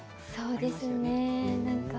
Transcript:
そうですね。